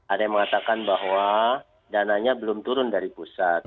ada yang mengatakan bahwa dananya belum turun dari pusat